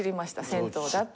銭湯だって。